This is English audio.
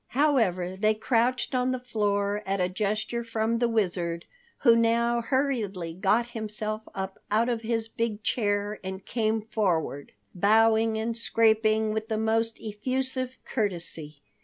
However, they crouched on the floor at a gesture from the Wizard, who now hurriedly got himself up out of his big chair, and came forward, bowing and scraping with the most effusive courtesy.